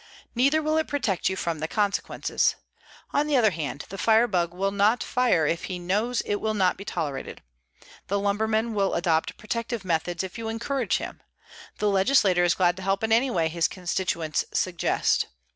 Neither will it protect you from the consequences. On the other hand, the firebug will not fire if he knows it will not be tolerated. The lumberman will adopt protective methods if you encourage him. The legislator is glad to help in any way his constituents suggest.